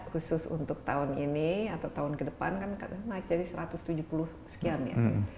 khusus untuk tahun ini atau tahun ke depan kan naik jadi satu ratus tujuh puluh sekian ya